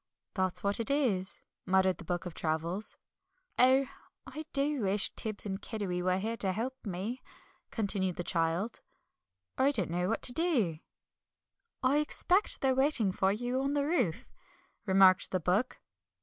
"That's what it is," muttered the Book of Travels. "Oh, I do wish Tibbs and Kiddiwee were here to help me," continued the child; "I don't know what to do." "I expect they're waiting for you on the roof," remarked the Book.